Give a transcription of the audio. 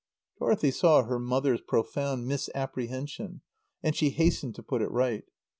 Dorothy saw her mother's profound misapprehension and she hastened to put it right.